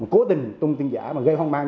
cố tình tôn tin giả và gây hoang mang